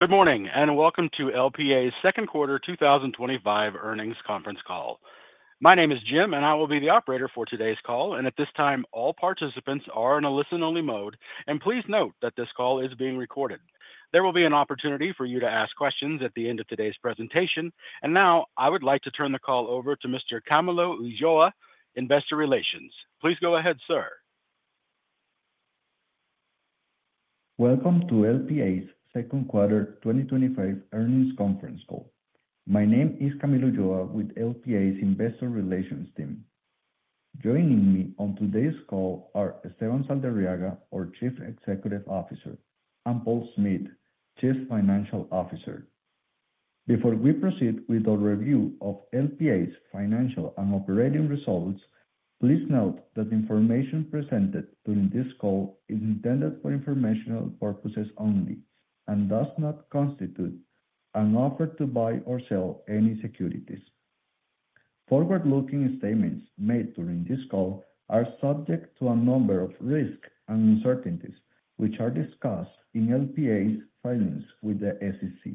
Good morning and welcome to LPA's Second Quarter 2025 Earnings Conference Call. My name is Jim, and I will be the operator for today's call. At this time, all participants are in a listen-only mode, and please note that this call is being recorded. There will be an opportunity for you to ask questions at the end of today's presentation. Now, I would like to turn the call over to Mr. Camilo Ulloa, Investor Relations. Please go ahead, sir. Welcome to LPA's Second Quarter 2025 Earnings Conference Call. My name is Camilo Ulloa with LPA's Investor Relations team. Joining me on today's call are Esteban Saldarriaga, our Chief Executive Officer, and Paul Smith, Chief Financial Officer. Before we proceed with our review of LPA's financial and operating results, please note that the information presented during this call is intended for informational purposes only and does not constitute an offer to buy or sell any securities. Forward-looking statements made during this call are subject to a number of risks and uncertainties, which are discussed in LPA's filings with the SEC.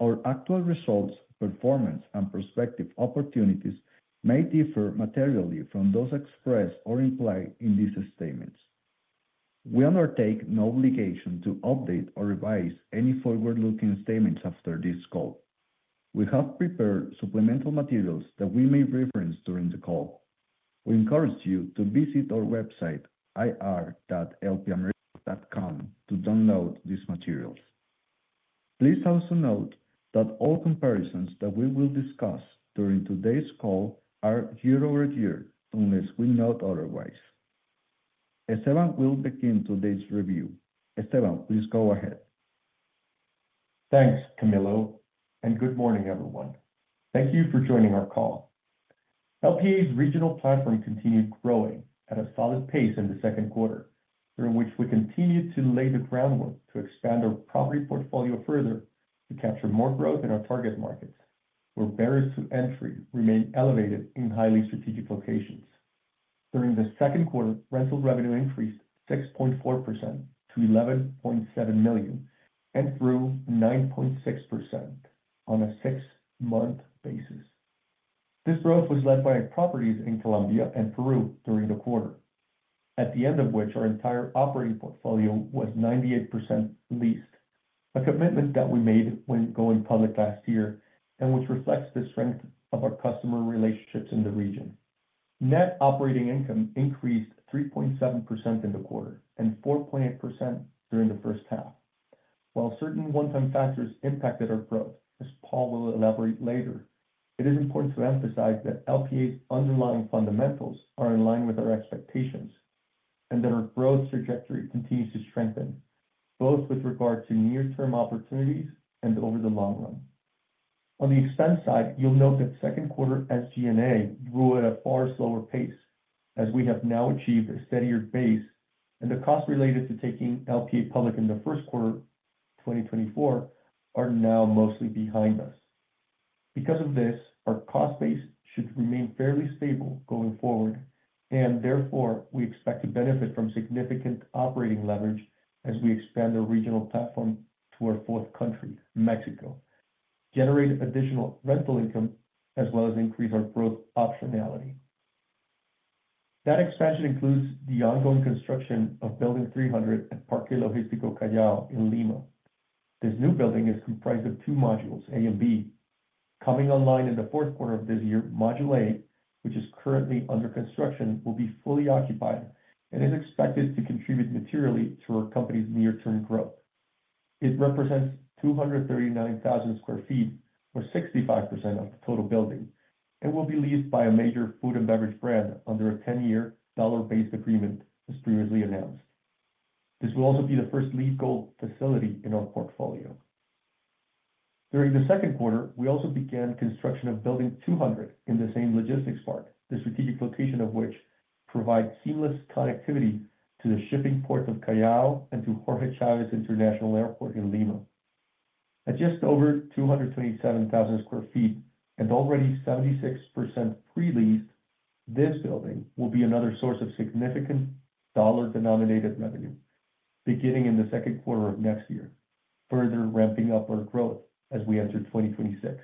Our actual results, performance, and prospective opportunities may differ materially from those expressed or implied in these statements. We undertake no obligation to update or revise any forward-looking statements after this call. We have prepared supplemental materials that we may reference during the call. We encourage you to visit our website, ir.lpamericas.com, to download these materials. Please also note that all comparisons that we will discuss during today's call are year-over-year unless we note otherwise. Esteban will begin today's review. Esteban, please go ahead. Thanks, Camilo, and good morning, everyone. Thank you for joining our call. LPA's regional platform continued growing at a solid pace in the second quarter, during which we continued to lay the groundwork to expand our property portfolio further to capture more growth in our target markets, where barriers to entry remain elevated in highly strategic locations. During the second quarter, rental revenue increased 6.4% to $11.7 million and grew 9.6% on a six-month basis. This growth was led by properties in Colombia and Peru during the quarter, at the end of which our entire operating portfolio was 98% leased, a commitment that we made when going public last year and which reflects the strength of our customer relationships in the region. Net operating income increased 3.7% in the quarter and 4.8% during the first half. While certain one-time factors impacted our growth, as Paul will elaborate later, it is important to emphasize that LPA's underlying fundamentals are in line with our expectations and that our growth trajectory continues to strengthen, both with regard to near-term opportunities and over the long run. On the expense side, you'll note that second quarter SG&A grew at a far slower pace, as we have now achieved a steadier base, and the costs related to taking LPA public in the first quarter of 2024 are now mostly behind us. Because of this, our cost base should remain fairly stable going forward, and therefore we expect to benefit from significant operating leverage as we expand our regional platform to our fourth country, Mexico, to generate additional rental income, as well as increase our growth optionality. That expansion includes the ongoing construction of Building 300 at Parque Logístico Callao in Lima. This new building is comprised of two modules, A and B. Coming online in the fourth quarter of this year, Module A, which is currently under construction, will be fully occupied and is expected to contribute materially to our company's near-term growth. It represents 239,000 square feet, or 65% of the total building, and will be leased by a major food and beverage brand under a 10-year dollar-based agreement as previously announced. This will also be the first LEED Gold facility in our portfolio. During the second quarter, we also began construction of Building 200 in the same logistics park, the strategic location of which provides seamless connectivity to the shipping ports of Callao and to Jorge Chávez International Airport in Lima. At just over 227,000 square feet and already 76% pre-leased, this building will be another source of significant dollar-denominated revenue beginning in the second quarter of next year, further ramping up our growth as we enter 2026.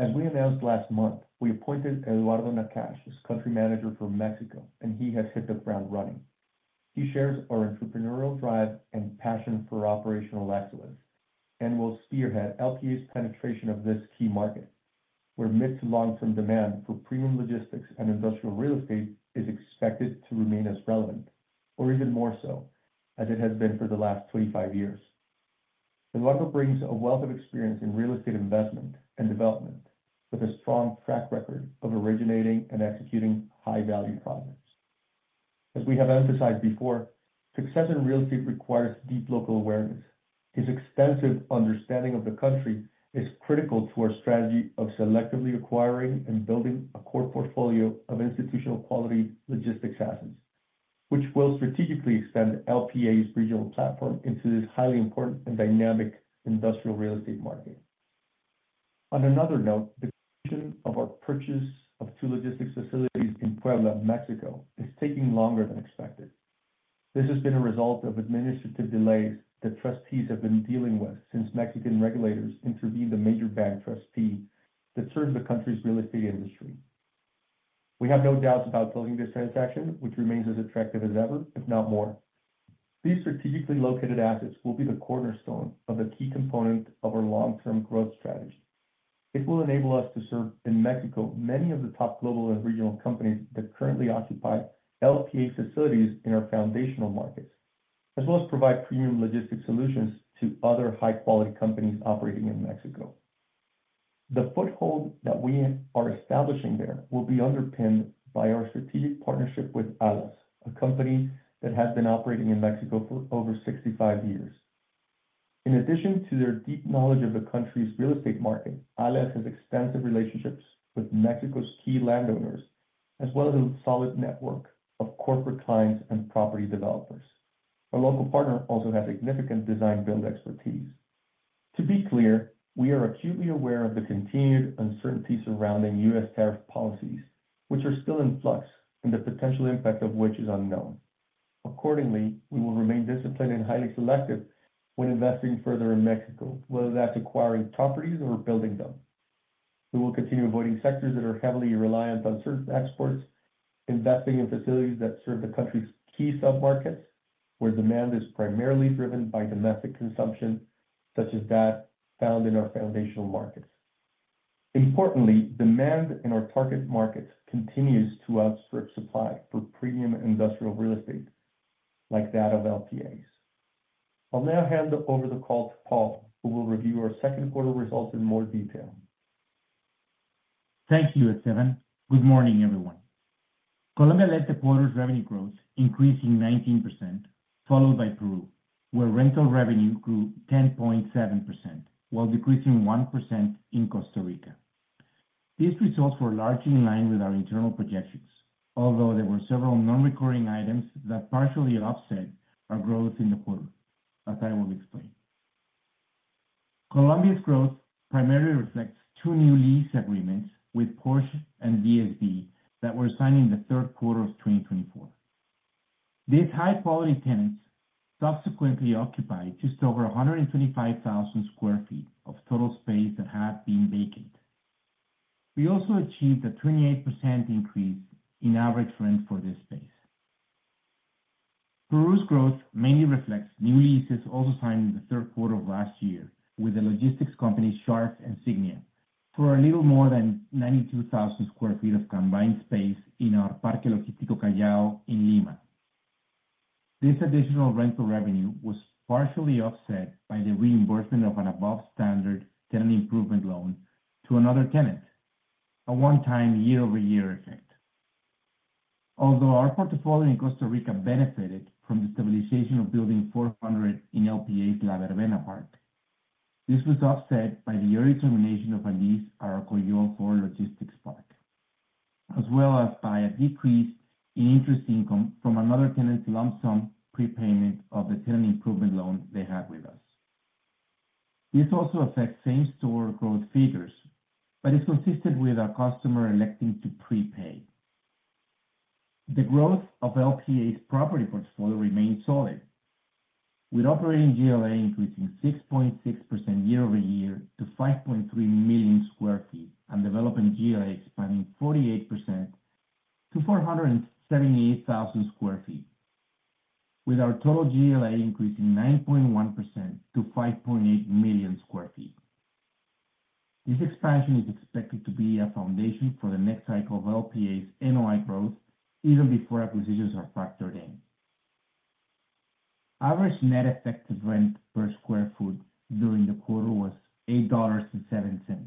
As we announced last month, we appointed Eduardo Nakash as Country Manager for Mexico, and he has hit the ground running. He shares our entrepreneurial drive and passion for operational excellence and will spearhead LPA's penetration of this key market, where mid-to-long-term demand for premium logistics and industrial real estate is expected to remain as relevant, or even more so, as it has been for the last 25 years. Eduardo brings a wealth of experience in real estate investment and development, with a strong track record of originating and executing high-value projects. As we have emphasized before, success in real estate requires deep local awareness. His extensive understanding of the country is critical to our strategy of selectively acquiring and building a core portfolio of institutional quality logistics assets, which will strategically extend LPA's regional platform into this highly important and dynamic industrial real estate market. On another note, the conclusion of our purchase of two logistics facilities in Puebla, Mexico, is taking longer than expected. This has been a result of administrative delays that trustees have been dealing with since Mexican regulators intervened in the major bank trustee that serves the country's real estate industry. We have no doubt about building this transaction, which remains as attractive as ever, if not more. These strategically located assets will be the cornerstone of the key component of our long-term growth strategy. It will enable us to serve in Mexico many of the top global and regional companies that currently occupy LPA facilities in our foundational markets, as well as provide premium logistics solutions to other high-quality companies operating in Mexico. The foothold that we are establishing there will be underpinned by our strategic partnership with Alas, a company that has been operating in Mexico for over 65 years. In addition to their deep knowledge of the country's real estate market, Alas has extensive relationships with Mexico's key landowners, as well as a solid network of corporate clients and property developers. Our local partner also has significant design-build expertise. To be clear, we are acutely aware of the continued uncertainty surrounding U.S. tariff policies, which are still in flux, and the potential impact of which is unknown. Accordingly, we will remain disciplined and highly selective when investing further in Mexico, whether that's acquiring properties or building them. We will continue avoiding sectors that are heavily reliant on certain exports, investing in facilities that serve the country's key submarkets, where demand is primarily driven by domestic consumption, such as that found in our foundational markets. Importantly, demand in our target markets continues to outsource supply for premium industrial real estate, like that of LPA's. I'll now hand over the call to Paul, who will review our second quarter results in more detail. Thank you, Esteban. Good morning, everyone. Colombia led the quarter's revenue growth, increasing 19%, followed by Peru, where rental revenue grew 10.7%, while decreasing 1% in Costa Rica. These results were largely in line with our internal projections, although there were several non-recurring items that partially offset our growth in the quarter, as I will explain. Colombia's growth primarily reflects two new lease agreements with Porsche and DSB that were signed in the third quarter of 2024. These high-quality tenants subsequently occupied just over 125,000 square feet of total space that had been vacant. We also achieved a 28% increase in average rent for this space. Peru's growth mainly reflects new leases also signed in the third quarter of last year with the logistics company Scharff and Signia for a little more than 92,000 square feet of combined space in our Parque Logístico Callao in Lima. This additional rental revenue was partially offset by the reimbursement of an above-standard tenant improvement loan to another tenant, a one-time year-over-year effect. Although our portfolio in Costa Rica benefited from the stabilization of Building 400 in LPA's La Verbena Park, this was offset by the early termination of a lease at our Coyol 4 Logistic Park, as well as by a decrease in interest income from another tenant's lump sum prepayment of the tenant improvement loan they had with us. This also affects same-store growth figures, but is consistent with our customer electing to prepay. The growth of LPA's property portfolio remains solid, with operating GLA increasing 6.6% year-over-year to 5.3 million sq ft and development GLA expanding 48% to 478,000 sq ft, with our total GLA increasing 9.1% to 5.8 million sq ft. This expansion is expected to be a foundation for the next cycle of LPA's NOI growth, even before acquisitions are factored in. Average net effective rent per square foot during the quarter was $8.07,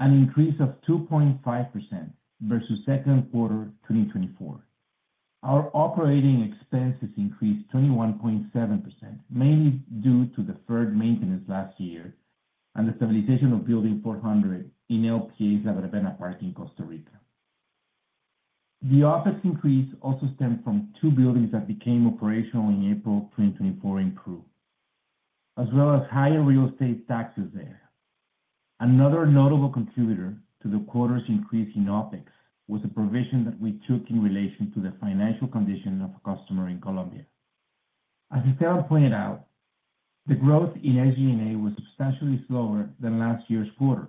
an increase of 2.5% versus the second quarter of 2024. Our operating expenses increased 21.7%, mainly due to the further maintenance last year and the stabilization of Building 400 in LPA's La Verbena Park in Costa Rica. The office increase also stemmed from two buildings that became operational in April 2024 in Peru, as well as higher real estate taxes there. Another notable contributor to the quarter's increase in OpEx was a provision that we took in relation to the financial condition of a customer in Colombia. As Esteban pointed out, the growth in SG&A was substantially slower than last year's quarter.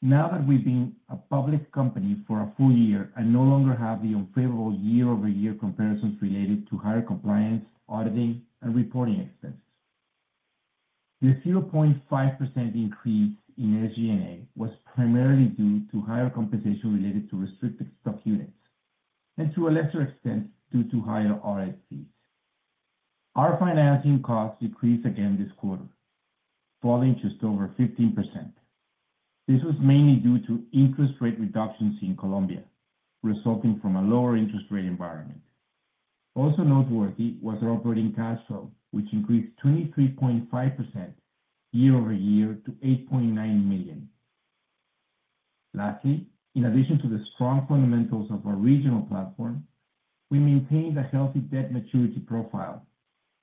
Now that we've been a public company for a full year and no longer have the unfavorable year-over-year comparisons related to higher compliance, auditing, and reporting expenses, the 0.5% increase in SG&A was primarily due to higher compensation related to restricted stock units and, to a lesser extent, due to higher audit fees. Our financing costs decreased again this quarter, falling just over 15%. This was mainly due to interest rate reductions in Colombia, resulting from a lower interest rate environment. Also noteworthy was our operating cash flow, which increased 23.5% year-over-year to $8.9 million. Lastly, in addition to the strong fundamentals of our regional platform, we maintained a healthy debt maturity profile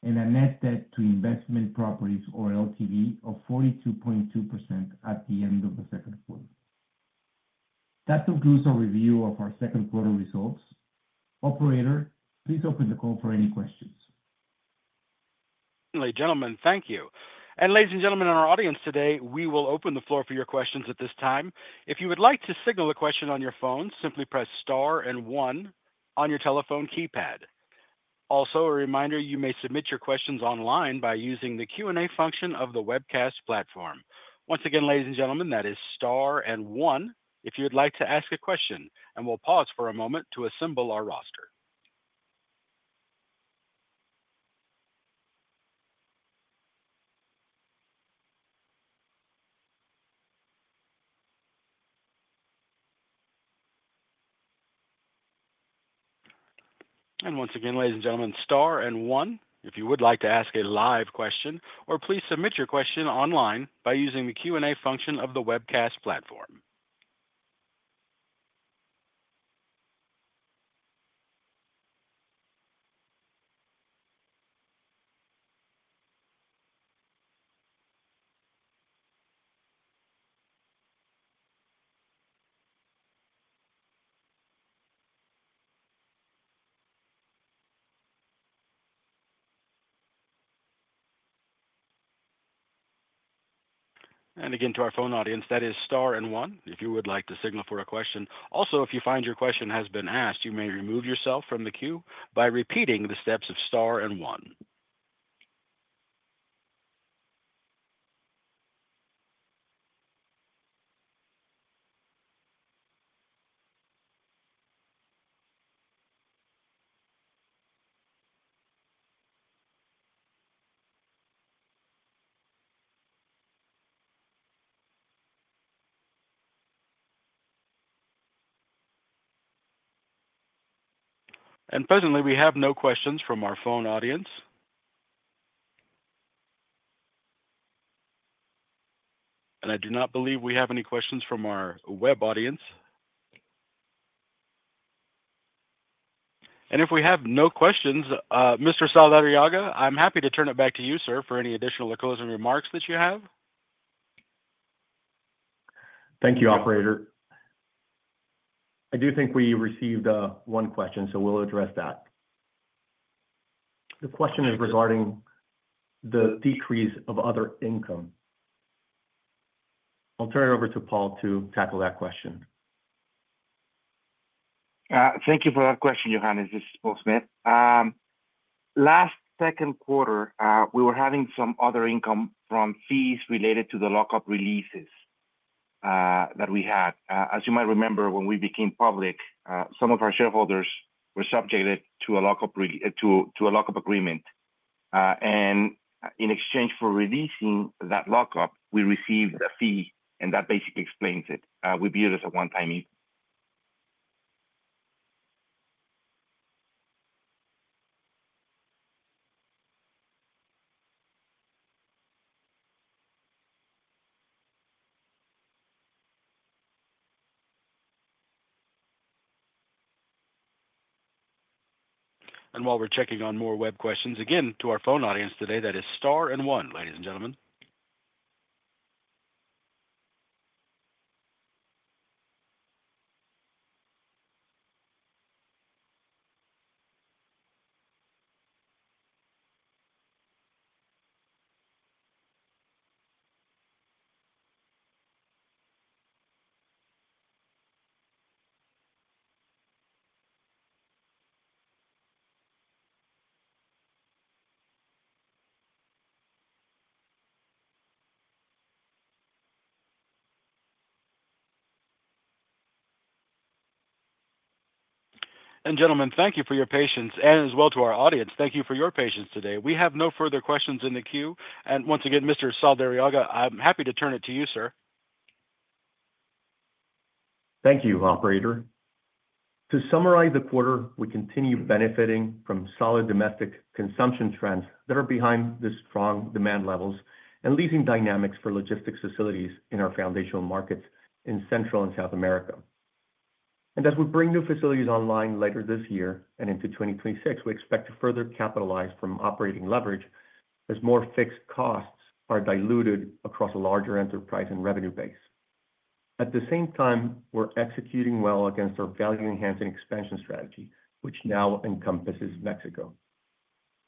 and a net debt to investment properties, or LTV, of 42.2% at the end of the second quarter. That concludes our review of our second quarter results. Operator, please open the call for any questions. Ladies and gentlemen, thank you. Ladies and gentlemen in our audience today, we will open the floor for your questions at this time. If you would like to signal a question on your phone, simply press star and one on your telephone keypad. Also, a reminder you may submit your questions online by using the Q&A function of the webcast platform. Once again, ladies and gentlemen, that is star and one if you would like to ask a question, and we'll pause for a moment to assemble our roster. Once again, ladies and gentlemen, star and one if you would like to ask a live question, or please submit your question online by using the Q&A function of the webcast platform. To our phone audience, that is star and one if you would like to signal for a question. If you find your question has been asked, you may remove yourself from the queue by repeating the steps of star and one. Presently, we have no questions from our phone audience. I do not believe we have any questions from our web audience. If we have no questions, Mr. Saldarriaga, I'm happy to turn it back to you, sir, for any additional closing remarks that you have. Thank you, Operator. I do think we received one question, so we'll address that. The question is regarding the decrease of other income. I'll turn it over to Paul to tackle that question. Thank you for that question, Johannes. This is Paul Smith. Last second quarter, we were having some other income from fees related to the lockup releases that we had. As you might remember, when we became public, some of our shareholders were subjected to a lockup agreement. In exchange for releasing that lockup, we received a fee, and that basically explains it. We viewed it as a one-time income. While we're checking on more web questions, to our phone audience today, that is star and one, ladies and gentlemen. Thank you for your patience, and as well to our audience, thank you for your patience today. We have no further questions in the queue. Once again, Mr. Saldarriaga, I'm happy to turn it to you, sir. Thank you, Operator. To summarize the quarter, we continue benefiting from solid domestic consumption trends that are behind the strong demand levels and leasing dynamics for logistics facilities in our foundational markets in Central and South America. As we bring new facilities online later this year and into 2026, we expect to further capitalize from operating leverage as more fixed costs are diluted across a larger enterprise and revenue base. At the same time, we're executing well against our value-enhancing expansion strategy, which now encompasses Mexico.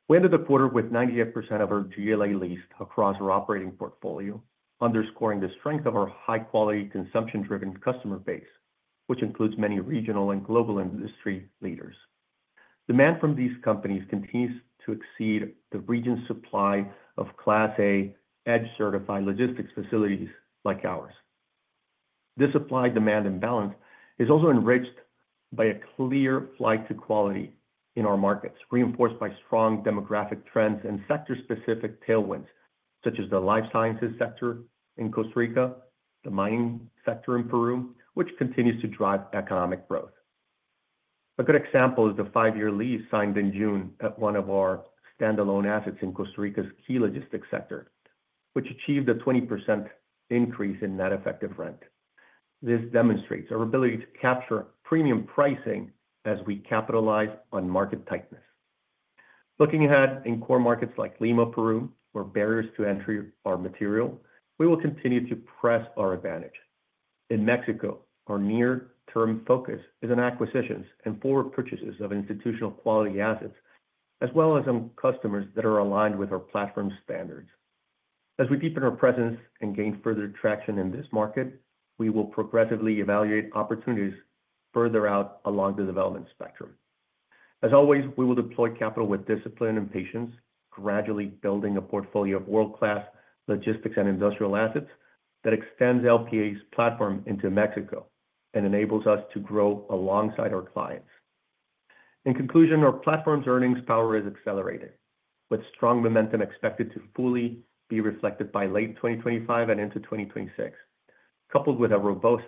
We ended the quarter with 98% of our GLA leased across our operating portfolio, underscoring the strength of our high-quality consumption-driven customer base, which includes many regional and global industry leaders. Demand from these companies continues to exceed the region's supply of Class A EDGE-certified logistics facilities like ours. This supply-demand imbalance is also enriched by a clear flight to quality in our markets, reinforced by strong demographic trends and sector-specific tailwinds, such as the life sciences sector in Costa Rica and the mining sector in Peru, which continues to drive economic growth. A good example is the five-year lease signed in June at one of our standalone assets in Costa Rica's key logistics sector, which achieved a 20% increase in net effective rent. This demonstrates our ability to capture premium pricing as we capitalize on market tightness. Looking ahead in core markets like Lima and Peru, where barriers to entry are material, we will continue to press our advantage. In Mexico, our near-term focus is on acquisitions and forward purchases of institutional quality assets, as well as on customers that are aligned with our platform standards. As we deepen our presence and gain further traction in this market, we will progressively evaluate opportunities further out along the development spectrum. As always, we will deploy capital with discipline and patience, gradually building a portfolio of world-class logistics and industrial assets that extend LPA's platform into Mexico and enable us to grow alongside our clients. In conclusion, our platform's earnings power is accelerated, with strong momentum expected to fully be reflected by late 2025 and into 2026. Coupled with a robust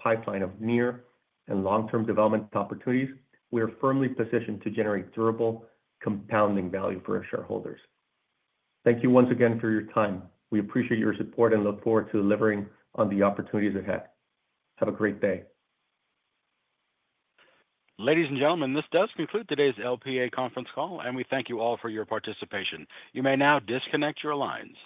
pipeline of near and long-term development opportunities, we are firmly positioned to generate durable, compounding value for our shareholders. Thank you once again for your time. We appreciate your support and look forward to delivering on the opportunities ahead. Have a great day. Ladies and gentlemen, this does conclude today's Logistic Properties of the Americas conference call, and we thank you all for your participation. You may now disconnect your lines.